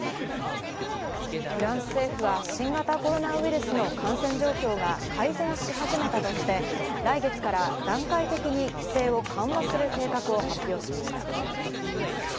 フランス政府は新型コロナウイルスの感染状況が改善し始めたとして、来月から段階的に規制を緩和する計画を発表しました。